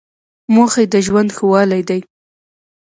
موخه یې د ژوند ښه والی دی.